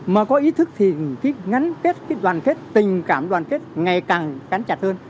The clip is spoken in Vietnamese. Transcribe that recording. mà có ý thức thì cái ngắn kết cái đoàn kết tình cảm đoàn kết ngày càng cắn chặt hơn